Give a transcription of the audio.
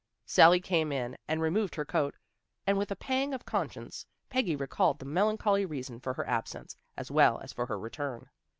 Sally came in and removed her coat. Her manner was dejected, and with a pang of conscience Peggy recalled the melancholy reason for her absence, as well as for her return.